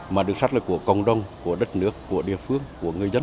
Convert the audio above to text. mà đường sắt là của cộng đồng của đất nước của địa phương của người dân